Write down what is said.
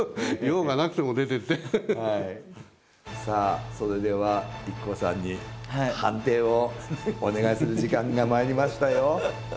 さあそれではＩＫＫＯさんに判定をお願いする時間がまいりましたよ。